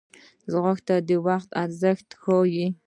ځغاسته د وخت ارزښت ښووي